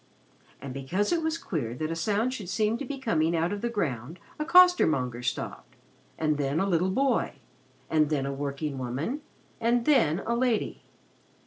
And, because it was queer that a song should seem to be coming out of the ground, a costermonger stopped, and then a little boy, and then a workingwoman, and then a lady.